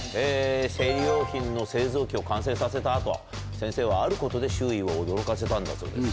生理用品の製造機を完成させた後先生はあることで周囲を驚かせたんだそうです。